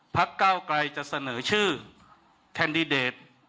ภาคเก้าไกลจะเสนอชื่อแคดดิเดต